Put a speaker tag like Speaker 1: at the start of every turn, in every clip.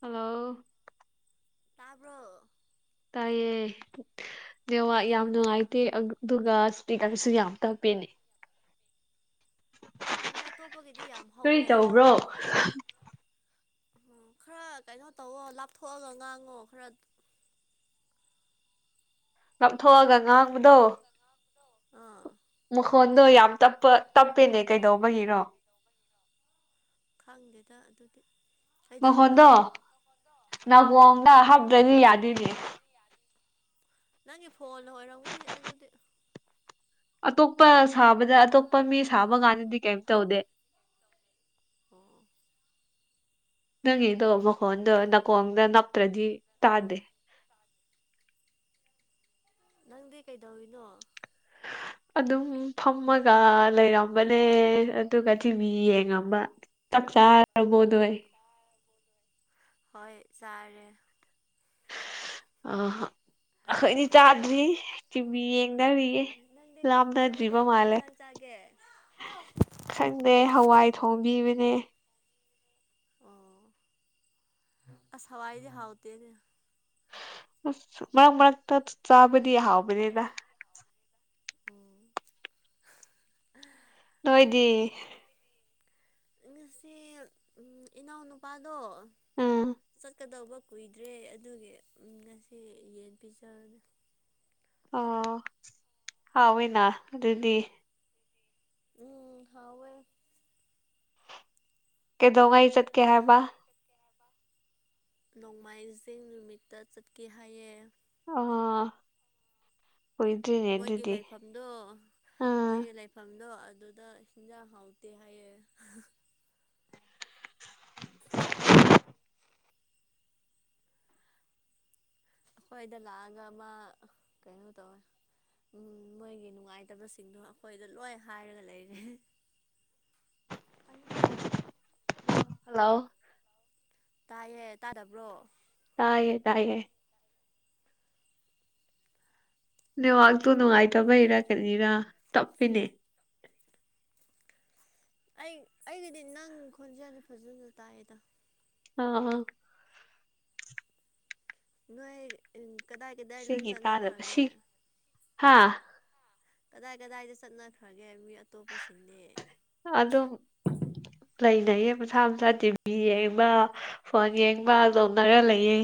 Speaker 1: hello
Speaker 2: ꯇꯥꯕ꯭ꯔꯣ
Speaker 1: ꯇꯥꯏꯌꯦꯦ ꯋꯥ ꯌꯥꯝ ꯅꯨꯡꯉꯥꯏꯇꯦ ꯑꯗꯨꯒ ꯏꯁꯄꯤꯀꯔꯁꯨ ꯌꯥꯝ ꯇꯧꯄꯤꯦꯅꯤ
Speaker 2: ꯃꯤ ꯑꯇꯣꯞꯄꯒꯤꯗꯤ ꯌꯥꯝ ꯍꯧꯋꯦ ꯎꯝ ꯈꯔ ꯀꯩꯅꯣ ꯇꯧꯋꯣ ꯂꯥꯞꯊꯣꯛꯑꯒ ꯉꯥꯡꯉꯣ ꯈꯔ
Speaker 1: ꯂꯥꯞꯊꯣꯛꯑꯒ ꯉꯥꯡꯕꯗꯣ
Speaker 2: ꯑꯥ
Speaker 1: ꯃꯈꯣꯟꯗꯣ ꯌꯥꯝ ꯇꯞꯄ ꯇꯞꯄꯦꯅꯦ ꯀꯩꯗꯧꯕꯒꯤꯔꯣ
Speaker 2: ꯈꯪꯗꯦꯗ ꯑꯗꯨꯗꯤ
Speaker 1: ꯃꯈꯣꯟꯗꯣ ꯅꯥꯍꯣꯡꯗ ꯍꯥꯞꯇ꯭ꯔꯣꯏꯅꯤ ꯌꯥꯗꯣꯏꯅꯦ
Speaker 2: ꯅꯪꯒꯤ ꯐꯣꯟꯗꯣ ꯑꯣꯏꯔꯝꯒꯅꯤ ꯑꯗꯨꯗꯤ
Speaker 1: ꯇꯣꯞꯄ ꯁꯥꯕꯗ ꯑꯇꯣꯞꯄ ꯃꯤ ꯁꯥꯕ ꯀꯥꯟꯗꯗꯤ ꯀꯩꯝ ꯇꯧꯗꯦ ꯅꯪꯒꯤꯗꯣ ꯃꯈꯣꯟꯗꯣ ꯅꯥꯀꯣꯡꯗ ꯅꯞꯇ꯭ꯔꯗꯤ ꯇꯥꯗꯦ
Speaker 2: ꯅꯪꯗꯤ ꯀꯩꯗꯧꯔꯤꯅꯣ
Speaker 1: ꯑꯗꯨꯝ ꯐꯝꯃꯒ ꯂꯩꯔꯝꯕꯅꯦ ꯑꯗꯨꯒ ꯇꯤꯚꯤ ꯌꯦꯡꯉꯝꯕ ꯌꯥꯔꯕꯣꯗꯣꯏ
Speaker 2: ꯍꯣꯏ ꯁꯥꯔꯦ
Speaker 1: ꯑ ꯑꯩꯈꯣꯏꯗꯤ ꯆꯥꯗ꯭ꯔꯤ ꯀꯤ ꯃꯤ ꯀꯗꯌꯦ ꯂꯥꯞꯅꯗ꯭ꯔꯤꯕ ꯃꯥꯜꯂꯦ ꯈꯪꯗꯦ ꯍꯋꯥꯏ ꯊꯣꯡꯕꯤꯕꯅꯦ
Speaker 2: ꯑꯣ ꯑ ꯍꯋꯥꯏ ꯍꯥꯎꯇ
Speaker 1: ꯑꯁ ꯃꯔꯛ ꯃꯔꯛꯇ ꯆꯥꯕꯗꯤ ꯍꯥꯎꯕꯅꯤꯅ
Speaker 2: ꯎꯝ
Speaker 1: ꯅꯣꯏꯣꯏꯗꯤ
Speaker 2: ꯉꯁꯤ ꯏꯅꯥꯎꯅꯨꯄꯥꯗꯣ ꯆꯠꯀꯗꯧꯕ ꯀꯨꯏꯗ꯭ꯔꯦ ꯑꯗꯨꯒꯤ ꯉꯁꯤ ꯌꯦꯟ ꯄꯤꯖꯕꯗ
Speaker 1: ꯑꯣ ꯍꯥꯎꯑꯣꯏ ꯑꯣꯏꯅ ꯑꯗꯨꯗꯤ
Speaker 2: ꯎꯝ ꯍꯥꯎ
Speaker 1: ꯀꯗꯣꯉ ꯏꯖꯠ ꯀꯌꯥ ꯍꯥꯏꯕ
Speaker 2: ꯅꯣꯡꯃꯥꯏꯖꯤꯡ ꯅꯨꯃꯤꯠꯇ ꯆꯠꯀꯦ ꯍꯥꯏꯌꯦ
Speaker 1: ꯑ
Speaker 2: ꯃꯣꯏꯒꯤ ꯂꯩꯐꯝꯗꯣ ꯃꯣꯏꯒꯤ ꯂꯩꯐꯝꯗꯣ ꯑꯗꯨꯗ ꯍꯤꯟꯖꯥꯡ ꯍꯥꯎꯇꯦ ꯍꯥꯏꯌꯦꯦ
Speaker 1: [inaudible]
Speaker 2: ꯑꯩꯈꯣꯏꯗ ꯂꯥꯛꯑꯒ ꯃꯥ ꯀꯩꯅꯣ ꯇꯧꯋꯦ ꯎ ꯃꯣꯏꯒꯤ ꯅꯨꯡꯉꯥꯏꯇꯕꯁꯤꯡꯗꯣ ꯑꯩꯈꯣꯏꯗ ꯂꯣꯏ ꯍꯥꯏꯔꯒ ꯂꯩꯔꯦ
Speaker 1: ꯍꯜꯂꯣ
Speaker 2: ꯇꯥꯏꯌꯦ ꯇꯥꯗꯕ꯭ꯔꯣ
Speaker 1: ꯇꯥꯏꯌꯦ ꯇꯥꯏꯌꯦ ꯅꯦꯋꯥꯛꯇꯨ ꯅꯨꯡꯉꯥꯏꯇꯕꯩꯔ ꯀꯅꯤꯔꯥ ꯇꯞꯄꯤꯅꯦ
Speaker 2: ꯑꯩ ꯑꯩꯒꯤꯗꯤ ꯅꯪ ꯈꯣꯟꯖꯦꯜꯗꯤꯦ ꯐꯖꯅ ꯇꯥꯏꯑꯗ
Speaker 1: ꯑꯥ ꯑ
Speaker 2: ꯅꯣꯏ ꯀꯗꯥꯏ ꯀꯗꯥꯏ ꯂꯣꯏ ꯆꯠꯅꯈ꯭ꯔꯒꯦ
Speaker 1: ꯍꯥꯥ
Speaker 2: ꯀꯗꯥꯏ ꯀꯗꯥꯏꯗ ꯆꯠꯅꯈ꯭ꯔꯒꯦ ꯃꯤ ꯑꯇꯣꯞꯄꯁꯤꯡꯅꯦ
Speaker 1: ꯂꯩꯅꯩꯌꯦ ꯃꯁꯥ ꯃꯁꯥ ꯇꯤꯚꯤ ꯌꯦꯡꯕ ꯐꯣꯟ ꯌꯦꯡꯕ ꯌꯧꯅꯔ ꯂꯩꯌꯦ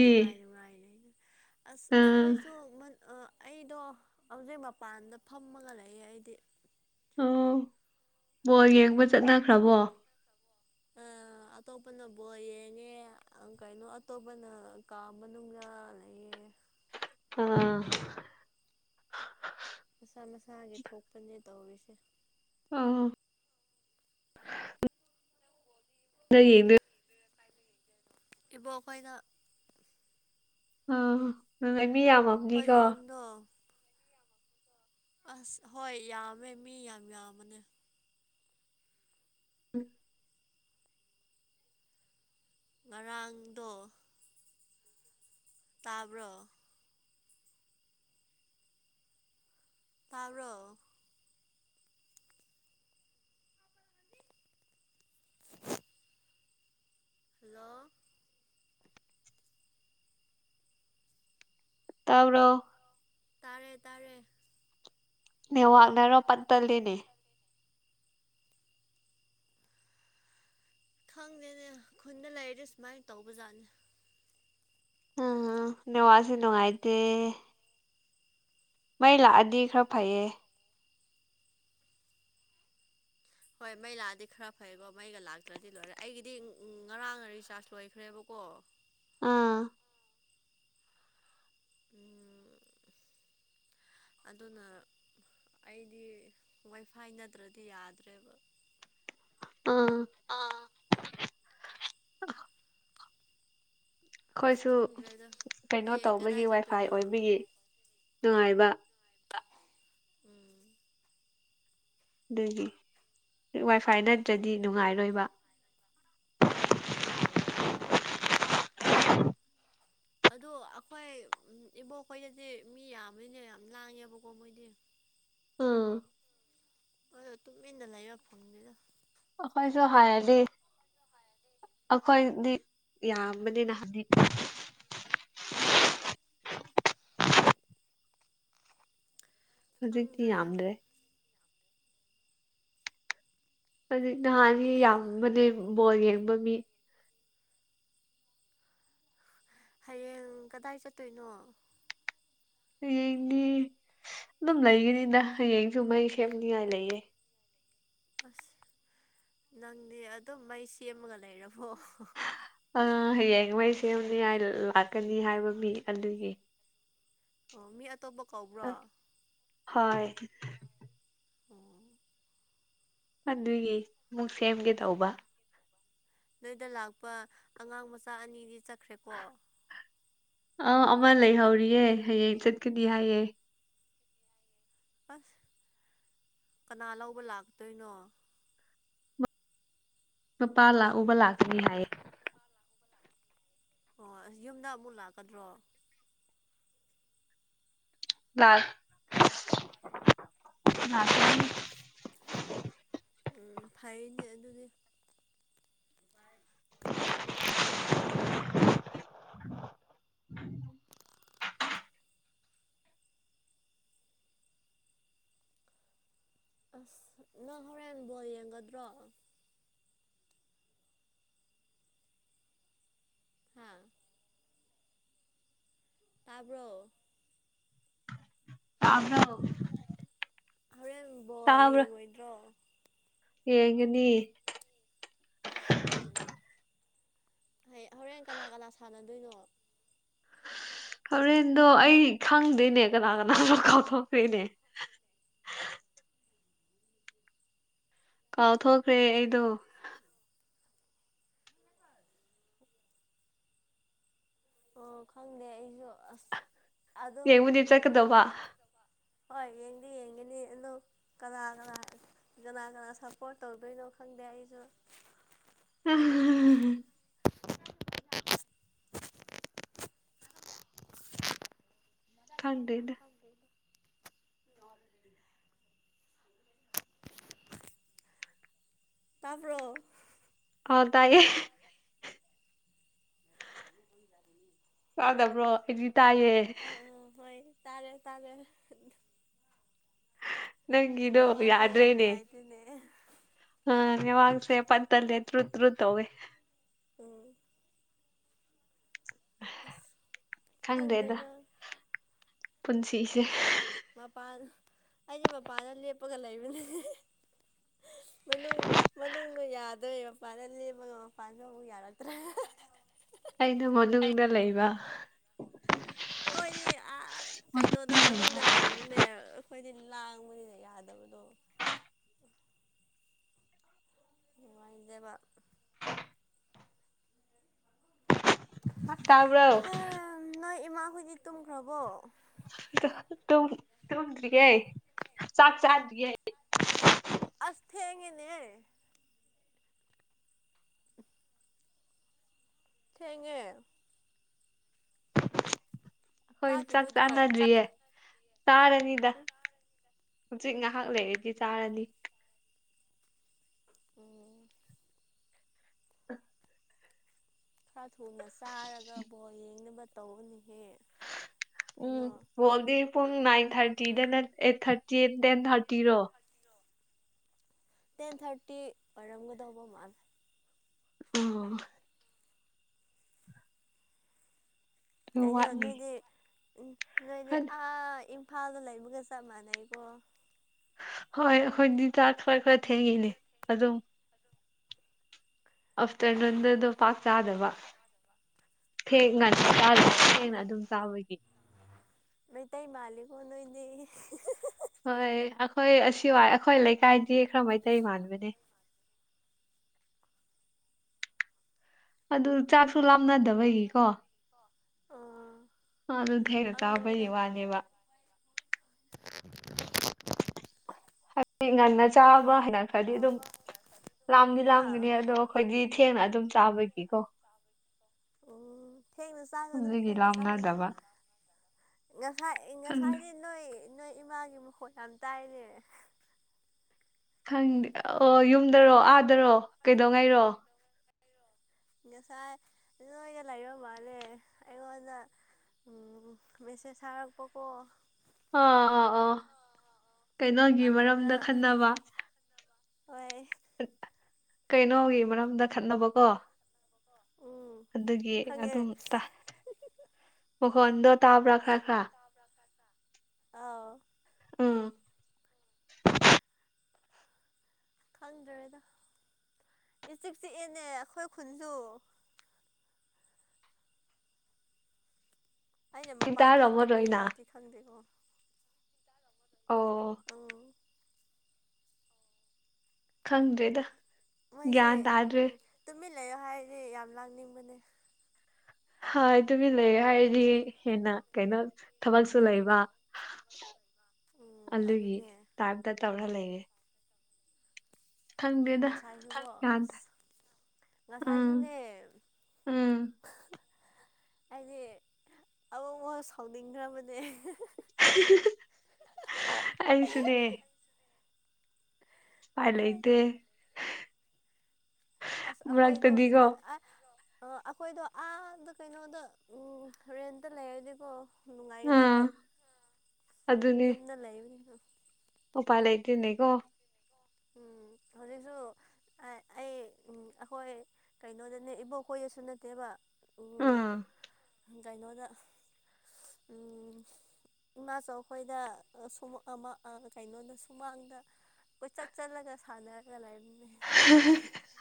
Speaker 2: ꯅꯨꯡꯉꯥꯏ ꯅꯨꯡꯉꯥꯏ ꯂꯩꯅ ꯑꯁ ꯑꯩꯈꯣꯏꯁꯨ ꯑꯩꯗꯣ ꯍꯧꯖꯤꯛ ꯃꯄꯥꯟꯗ ꯐꯝꯃꯒ ꯂꯩꯌꯦ ꯑꯩꯗꯤ
Speaker 1: ꯑ ꯕꯣ ꯌꯦꯡꯕ ꯆꯠꯅꯈ꯭ꯔꯕꯣ
Speaker 2: ꯑ ꯑꯇꯣꯞꯄꯅꯕꯨꯣ ꯌꯦꯡꯉꯦ ꯀꯩꯅꯣ ꯑꯇꯣꯞꯄꯅ ꯀꯥ ꯃꯅꯨꯡꯗ [unintelligible]
Speaker 1: ꯑꯥ
Speaker 2: ꯃꯁꯥ ꯃꯁꯥꯒꯤ ꯊꯣꯛꯄꯅꯦ ꯇꯧꯔꯤꯁꯦ
Speaker 1: ꯑ ꯌꯦꯡ
Speaker 2: ꯑꯦꯕꯣ ꯑꯣꯈꯣꯏꯗ
Speaker 1: ꯑꯥ ꯑꯗꯨ ꯃꯤ ꯌꯥꯝꯃꯝꯅꯤꯀꯣ
Speaker 2: ꯑꯁ ꯍꯣꯏ ꯌꯥꯝꯃꯦ ꯃꯤ ꯌꯥꯝ ꯌꯥꯝꯕꯅꯦ
Speaker 1: ꯍ
Speaker 2: ꯉꯔꯥꯡꯗ ꯇꯥꯕꯣ ꯇꯥꯎꯔꯣ ꯍꯜꯂꯣ
Speaker 1: ꯇꯥꯎꯔꯣ
Speaker 2: ꯇꯔꯦ ꯇꯔꯦ
Speaker 1: ꯅ ꯋꯥꯥꯛꯅꯔꯣ ꯄꯟ ꯇꯜꯂꯤꯅꯦ
Speaker 2: ꯈꯪꯗꯦꯅꯦ ꯈꯨꯟꯗ ꯂꯩꯔꯗꯤ ꯁꯨꯃꯥꯏꯅ ꯇꯧꯕꯖꯥꯠꯅꯦ
Speaker 1: ꯑꯝ ꯅꯨ ꯋꯥꯁꯤ ꯅꯨꯡꯉꯥꯏꯗꯦ ꯃꯩ ꯂꯥꯛꯑꯗꯤ ꯈꯔ ꯐꯩꯌꯦ
Speaker 2: ꯍꯣꯏ ꯃꯩ ꯂꯥꯛꯑꯗꯤ ꯈꯔ ꯐꯩꯀꯣ ꯃꯩꯒ ꯂꯥꯛꯇ꯭ꯔꯗꯤ ꯂꯣꯏꯔꯦ ꯑꯩꯒꯤꯗꯤ ꯉꯔꯥꯡ ꯔꯤꯆꯥꯔꯖ ꯂꯣꯏꯈ꯭ꯔꯦꯕ ꯑꯣ
Speaker 1: ꯑꯥ
Speaker 2: ꯑꯗꯨꯅ ꯑꯩꯗꯤ ꯋꯥꯏꯐꯥꯏ ꯅꯠꯇ꯭ꯔꯗꯤ ꯌꯥꯗ꯭ꯔꯦꯕ
Speaker 1: ꯑꯥ ꯑꯩꯈꯣꯏꯁꯨ ꯀꯩꯅꯣ ꯇꯧꯕꯒꯤ ꯋꯥꯏꯐꯥꯏ ꯑꯣꯏꯕꯒꯤ ꯅꯨꯡꯉꯥꯏꯕ
Speaker 2: ꯎꯝ
Speaker 1: ꯑꯗꯨꯒꯤ ꯋꯥꯏꯐꯥꯏ ꯅꯠꯇ꯭ꯔꯗꯤ ꯅꯨꯡꯉꯥꯏꯔꯣꯏꯕ
Speaker 2: ꯍꯣꯏꯣꯏ ꯑꯗꯨ ꯇꯧꯋꯦ ꯍꯧꯖꯤꯛꯀꯥꯟꯁꯦ ꯑꯗꯨ ꯑꯩꯈꯣꯏ ꯏꯕꯣꯛꯈꯣꯏꯗꯗꯤ ꯃꯤ ꯌꯥꯝꯕꯅꯤꯅꯦ ꯌꯥꯝ ꯂꯥꯡꯉꯦꯕꯀꯣ ꯃꯣꯏꯗꯤ
Speaker 1: ꯑꯥ
Speaker 2: ꯑ ꯇꯨꯃꯤꯟꯅ ꯂꯩꯌꯣ ꯐꯣꯟꯗꯨꯗ
Speaker 1: ꯑꯈꯣꯏꯁꯨꯣ ꯍꯥꯏꯂꯤ ꯑꯩꯈꯣꯏꯗꯤ ꯌꯥꯝꯕꯅꯤꯅ ꯍꯥꯏꯗꯤ
Speaker 2: [inaudible]
Speaker 1: ꯍꯧꯖꯤꯛꯇꯤ ꯌꯥꯝꯗ꯭ꯔꯦ ꯍꯥꯏ ꯅꯍꯥꯟꯒꯤ ꯌꯥꯝꯕꯅꯦ ꯕꯣꯜ ꯌꯦꯡꯕ ꯃꯤ
Speaker 2: ꯍꯌꯦꯡ ꯀꯗꯥꯏ ꯆꯠꯇꯣꯏꯅꯣ
Speaker 1: ꯍꯌꯦꯡꯗꯤ ꯑꯗꯨꯝ ꯂꯩꯒꯅꯤꯅ ꯍꯌꯦꯡꯁꯨ ꯃꯩ ꯁꯦꯝꯅꯤꯉꯥꯏ ꯂꯩꯌꯦ
Speaker 2: ꯑꯁ ꯅꯪꯅꯦ ꯑꯗꯨꯝ ꯃꯩ ꯁꯦꯝꯃꯒ ꯂꯩꯔꯕ
Speaker 1: ꯑ ꯍꯌꯦꯡꯉꯩ ꯁꯦꯝꯅꯤꯉꯥꯏ ꯂꯥꯛꯀꯅꯤ ꯍꯥꯏꯕ ꯃꯤ ꯑꯗꯨꯒꯤ
Speaker 2: ꯑꯣ ꯃꯤ ꯑꯇꯣꯞꯄ ꯀꯧꯕ꯭ꯔꯥ
Speaker 1: ꯍꯣꯏ
Speaker 2: ꯎꯝ
Speaker 1: ꯑꯗꯨꯒꯤ ꯑꯃꯨꯛ ꯁꯦꯝꯒꯦ ꯇꯧꯕ
Speaker 2: ꯅꯣꯏꯗ ꯂꯥꯛꯄ ꯑꯉꯥꯡ ꯃꯆꯥ ꯑꯅꯤꯗꯤ ꯆꯠꯈ꯭ꯔꯦꯀꯣ
Speaker 1: ꯑꯥ ꯑꯃ ꯂꯩꯍꯧꯔꯤꯌꯦ ꯍꯌꯦꯡ ꯆꯠꯀꯅꯤ ꯍꯥꯏꯌꯦꯦ
Speaker 2: ꯑꯁ ꯀꯅꯥ ꯂꯧꯕ ꯂꯥꯛꯇꯣꯏꯅꯣ
Speaker 1: ꯃꯄꯥ ꯂꯥꯛꯎꯕ ꯂꯥꯛꯀꯅꯤ ꯍꯥꯏꯌꯦ
Speaker 2: ꯑꯣ ꯑꯁ ꯌꯨꯝꯗ ꯑꯃꯨꯛ ꯂꯥꯛꯀꯗ꯭ꯔꯣ
Speaker 1: ꯂꯜ
Speaker 2: ꯎ ꯐꯩꯅꯦ ꯑꯗꯨꯗꯤ ꯑꯁ ꯅꯪ ꯍꯣꯔꯦꯟꯕꯣꯜ ꯌꯦꯡꯒꯗ꯭ꯔꯣ ꯍꯥꯝ ꯇꯥꯕꯣ
Speaker 1: ꯑ꯭ꯔꯣ ꯇꯥꯕ꯭ꯔ ꯌꯦꯡꯒꯅꯤ
Speaker 2: ꯎꯝ ꯍ ꯍꯣꯔꯦꯟ ꯀꯅꯥ ꯀꯅꯥ ꯁꯥꯟꯅꯗꯣꯏꯅꯣ
Speaker 1: ꯍꯣꯔꯦꯟꯗꯣ ꯑꯩ ꯈꯪꯗꯣꯏꯅꯦ ꯀꯅꯥ ꯀꯅꯥꯁꯨ ꯀꯥꯎꯊꯣꯛꯇ꯭ꯔꯤꯅꯦ
Speaker 2: [inaudible]
Speaker 1: ꯀꯥꯎꯊꯣꯛꯈ꯭ꯔꯦ ꯑꯩꯗꯣ
Speaker 2: ꯑꯣ ꯈꯪꯗꯦ ꯑꯩꯁꯨ ꯑꯁ
Speaker 1: ꯌꯥꯉꯗ ꯆ ꯀ ꯗꯕꯥ
Speaker 2: ꯍꯣꯏ ꯌꯦꯡꯗꯤ ꯌꯦꯡꯒꯅꯤ ꯑꯗꯣ ꯀꯅꯥ ꯀꯅꯥ ꯀꯅꯥ ꯀꯅꯥ ꯁꯞꯄꯣꯔꯠ ꯇꯧꯗꯣꯏꯅꯣ ꯈꯪꯗꯦ ꯏꯁꯨ
Speaker 1: [inaudible]
Speaker 2: [inaudible]
Speaker 1: ꯍꯟꯗ꯭ꯔꯦꯗ ꯍ ꯇꯥꯏꯌꯦ ꯇꯥꯗꯕ꯭ꯔꯣ ꯑꯩꯗꯤ ꯇꯥꯏꯌꯦ
Speaker 2: ꯇꯔꯦ ꯇꯔꯦ
Speaker 1: ꯅꯪ ꯏꯗꯣ ꯌꯥꯗ꯭ꯔꯦꯅꯦ ꯑ ꯋꯥꯡꯁꯦ ꯄꯠꯇꯜ ꯂꯩꯦ ꯇ꯭ꯨ ꯇꯔꯨ ꯇꯧꯋꯦ
Speaker 2: ꯑ ꯐꯪꯗꯦꯅ
Speaker 1: ꯄꯨꯟꯁꯤꯁꯦ
Speaker 2: ꯃꯄꯥꯟ ꯑꯩꯗꯤ ꯃꯄꯥꯟꯗ ꯂꯦꯞꯄꯒ ꯂꯩꯕꯅꯅꯦ ꯃꯅꯨꯡ ꯃꯅꯨꯡꯗ ꯌꯥꯗꯣꯏ ꯃꯄꯥꯟꯗ ꯂꯦꯝꯞꯃꯒ ꯃꯄꯥꯟꯗ ꯑꯃꯨꯛ ꯌꯥꯔꯛꯇ꯭ꯔꯥ
Speaker 1: ꯑꯩꯅ ꯃꯅꯨꯡꯗ ꯂꯩꯕ
Speaker 2: ꯑꯩꯈꯣꯏꯅꯦ ꯑ ꯀꯩꯅꯣꯗ ꯃꯅꯨꯡꯗ ꯂꯩꯁꯨꯅꯦ ꯑꯩꯈꯣꯏꯗꯤ ꯂꯥꯡꯕꯅꯤꯅ ꯌꯥꯗꯕꯗꯣ ꯏꯗꯦꯕ
Speaker 1: ꯇꯥꯕ꯭ꯔ
Speaker 2: ꯅꯣꯏ ꯏꯃꯥꯍꯣꯏꯗꯤ ꯇꯨꯝꯈ꯭ꯔꯕꯣ
Speaker 1: ꯇ ꯇꯗ꯭ꯔꯤꯌꯦ ꯆꯥꯛ ꯆꯥꯗ꯭ꯔꯤ
Speaker 2: ꯑꯁ ꯊꯦꯡꯉꯦꯅꯦ ꯊꯉꯦ
Speaker 1: ꯑꯩꯈꯣꯏ ꯆꯥꯛ ꯆꯥꯅꯗ꯭ꯔꯤꯌꯦ ꯆꯥꯔꯅꯤꯗ ꯍꯧꯖꯤꯛ ꯉꯥꯏꯍꯥꯛ ꯂꯩꯔꯗꯤ ꯆꯥꯔꯅꯤ
Speaker 2: ꯑꯣ ꯈꯔ ꯊꯨꯅ ꯆꯥꯔꯒ ꯕꯣ ꯌꯦꯡꯅꯕ ꯇꯧꯔꯅꯤ
Speaker 1: ꯎꯝ ꯋꯥꯣꯗ ꯐꯨꯡ nine thirty eight thirty ten ꯊꯥꯔꯇꯤꯔꯣ
Speaker 2: ꯇꯦꯟ ꯊꯥꯔꯇꯤ ꯄꯔꯝꯒꯗꯧꯕ ꯑꯃ ꯃꯥꯗ
Speaker 1: ꯑꯣ
Speaker 2: ꯑꯩꯉꯣ ꯅꯣꯏꯗꯤ ꯅꯣꯏꯗꯤ ꯑꯥ ꯏꯝꯐꯥꯜꯗ ꯂꯩꯕꯒ ꯆꯞ ꯃꯥꯟꯅꯩꯀꯣ
Speaker 1: ꯍꯣꯏ ꯑꯩꯈꯣꯏ ꯇꯥ ꯈꯔ ꯈꯔ ꯊꯦꯡꯉꯅꯦ ꯑꯗꯨꯝ ꯑꯐꯇꯣꯗ ꯑꯗꯨ ꯄꯥꯥꯁꯁꯗꯕ ꯊꯦꯡꯅ ꯆ ꯊꯦꯡꯅ ꯑꯗꯨꯝ ꯆꯥꯕꯒꯤ
Speaker 2: ꯃ ꯇꯏ ꯃꯥꯜꯂꯤ ꯀ ꯍꯅ ꯑꯣꯏꯗꯤ
Speaker 1: ꯍꯣꯏ ꯑꯩꯈꯣꯏ ꯑꯁꯤ ꯋꯥꯏ ꯑꯩꯈꯣꯏ ꯂꯩꯀꯥꯏꯗꯤ ꯈꯔ ꯃꯩꯇꯩ ꯃꯥꯟꯕꯅꯦ
Speaker 2: [unintelligible]
Speaker 1: ꯑꯗꯨ ꯆꯥꯛꯁꯨ ꯂꯥꯞꯅꯗꯕꯒꯤꯀꯣ ꯑ ꯑꯗꯨ ꯊꯩꯔ ꯆꯥꯕꯩ ꯋꯥꯅꯦꯕ [inaudible] ꯉꯟꯅ ꯆꯥꯕ ꯍꯥꯏꯅ ꯈꯔꯗꯤ ꯑꯗꯨꯝ ꯂꯥꯝꯗꯤ ꯂꯥꯝꯒꯅꯤ ꯑꯗꯣ ꯑꯩꯈꯣꯏꯗꯤ ꯊꯦꯡꯅ ꯑꯗꯨꯝ ꯆꯥꯕꯒꯤꯀꯣ
Speaker 2: ꯎꯝ ꯊꯦꯛ ꯃꯁꯥꯒꯗꯣ ꯊꯦꯛ ꯃ ꯆꯥꯒꯗꯣ ꯉꯁꯥꯏ ꯉꯁꯥꯏꯗꯤ ꯅꯣꯏ ꯅꯣꯏ ꯏꯃꯥꯒꯤ ꯃꯈꯣꯏ ꯌꯥꯝ ꯇꯥꯏꯔꯦ
Speaker 1: ꯪꯦ ꯑꯣ ꯌꯨꯝꯗꯔꯣ ꯑꯥꯗꯔꯣ ꯀꯩꯗꯧꯉꯩꯔꯣ
Speaker 2: ꯉꯁꯥꯏ ꯅꯣꯏꯗ ꯂꯩꯔ ꯃꯥꯜꯅꯦꯦ ꯑꯩꯉꯣꯟꯗ ꯎ ꯃꯁꯦ ꯁꯔ ꯄꯀ
Speaker 1: ꯑꯥ ꯑꯥ ꯑꯥ ꯀꯩꯅꯣꯒꯤ ꯃꯔꯝꯗ ꯈꯟꯅꯕ ꯀꯩꯅꯣꯒꯤ ꯃꯔꯝꯗ ꯈꯠꯅꯕꯀꯣ ꯑꯗꯨꯒꯤ ꯑꯗꯨꯝ ꯃꯈꯣꯟꯗꯣ ꯇꯥꯕ꯭ꯔꯥ [unintelligible] ꯎꯝ
Speaker 2: ꯈꯪꯗ꯭ꯔꯦꯗ ꯏꯤꯛ ꯆꯤꯛꯑꯦꯅꯦ ꯑꯩꯈꯣꯏ ꯈꯨꯟꯁꯨ ꯑꯩꯅ ꯃꯄꯥꯟ ꯊꯣꯛꯇꯕꯒꯤꯔꯗꯤ ꯈꯪꯗꯦꯀꯣ ꯑ
Speaker 1: ꯈꯪꯗ꯭ꯔꯦꯗ
Speaker 2: ꯃꯣꯏꯁꯦ ꯇꯨꯃꯤꯟ ꯂꯩꯣ ꯍꯥꯏꯗꯤ ꯌꯥꯝ ꯂꯥꯡꯅꯤꯡꯕꯅꯦ
Speaker 1: ꯍ ꯇꯨꯃꯤ ꯂꯩꯦ ꯍꯥꯏꯔꯗꯤ ꯍꯦꯟꯅ ꯀꯩꯅꯣ ꯊꯕꯛꯁꯨ ꯂꯩꯕ ꯑꯗꯨꯒꯤ ꯇꯥꯏꯞꯇ ꯇꯧꯔ ꯂꯩꯌꯦꯦ ꯈꯪꯗꯦꯗ ꯌꯥꯗ
Speaker 2: ꯉꯁꯥꯏꯁꯨꯅꯦ ꯑꯩꯗꯤ ꯑꯃꯕꯛ ꯑꯃ ꯁꯥꯎꯅꯤꯡꯈ꯭ꯔꯕꯅꯦ
Speaker 1: ꯑꯩꯁꯨꯅꯦ ꯄꯥꯏ ꯂꯩ ꯏꯇ
Speaker 2: ꯑꯁ ꯑꯩꯈꯣꯏꯗ ꯏꯊ ꯑ ꯑꯩꯈꯣꯏꯗꯣ ꯑꯥꯗ ꯀꯩꯅꯣꯗ ꯔꯦꯟꯇ ꯂꯩꯔꯗꯤꯀꯣ ꯅꯨꯡꯉꯥꯏꯒꯗꯕ ꯌꯨꯝꯗ ꯂꯩꯕꯅꯤꯅ
Speaker 1: ꯎꯄꯥꯥꯏ ꯂꯩꯇꯦꯅꯤꯀꯣ
Speaker 2: ꯎꯝ ꯍꯧꯖꯤꯛꯁꯨ ꯑ ꯑꯩ ꯑꯦ ꯑꯩꯈꯣꯏ ꯀꯩꯅꯣꯗꯅꯦ ꯏꯕꯣꯛ ꯀꯣꯏꯗꯁꯨ ꯅꯠꯇꯦꯕ ꯀꯩꯅꯣꯗ ꯎꯝ ꯏꯃꯥ ꯆꯧ ꯈꯣꯏꯗ [unintelligible] ꯀꯩꯅꯣꯗ ꯁꯨꯃꯥꯡꯗ ꯆꯠ ꯆꯠꯂꯒ ꯁꯥꯟꯅꯔꯒ ꯂꯩꯕꯅꯤ
Speaker 1: [unintelligible]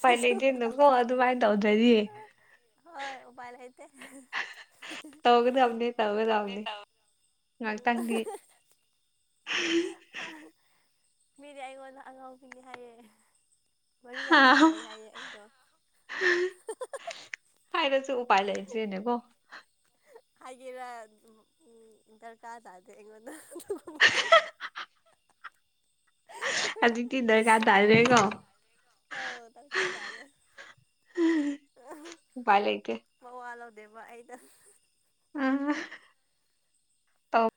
Speaker 1: ꯄꯥꯏ ꯂꯩꯇꯦꯟꯗꯀꫭ ꯑꯗꯨꯃꯥꯏ ꯇꯧꯗ꯭ꯔꯗꯤ
Speaker 2: ꯍꯣꯏ ꯎꯄꯥꯏ ꯂꯩꯇꯦ
Speaker 1: ꯉꯥꯛꯇꯪꯒꯤ
Speaker 2: ꯃꯤꯗꯤ ꯑꯩꯉꫭꯟꯗ ꯑꯉꯥꯎꯕꯤꯅꯤ ꯍꯥꯏꯔꯦ ꯋꯥꯔꯤ ꯌꯥꯝ ꯁꯥꯟꯅꯩ ꯍꯥꯏꯌꯦ ꯑꯩꯗꯣ
Speaker 1: ꯄꯥꯏꯂꯩꯇ꯭ꯔꯦꯅꯦ ꯀꯣ
Speaker 2: ꯍꯥꯏꯒꯦꯔ ꯗꫪꯀꯥꫪ ꯇꯥꯗꯦ ꯑꯩꯉꯣꯟꯗ ꯑꯗꯨꯒꯨꯝꯕꯗꯨ [unintelligible]
Speaker 1: ꯑꯗꯨꯗꯤ ꯗꫪꯀꯥꫪ ꯇꯥꯔꯦꯀꯣ ꯎꯄꯥꯏ ꯂꯩꯇꯦ
Speaker 2: ꯗꯦꯃ ꯑꯩꯅ
Speaker 1: ꯑꯥ ꯇꯥꯎ